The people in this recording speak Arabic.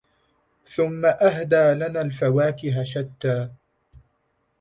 ثم أهدى لنا الفواكه شتّى